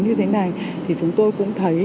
như thế này thì chúng tôi cũng thấy